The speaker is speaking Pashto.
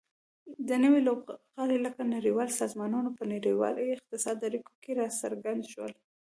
نوي لوبغاړي لکه نړیوال سازمانونه په نړیوالو اقتصادي اړیکو کې راڅرګند شول